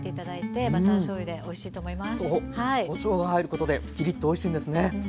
こしょうが入ることでキリッとおいしいんですね。